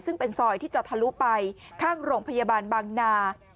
ซึ่งเป็นซอยที่จะทะลุไปข้างโรงพยาบาลบางนา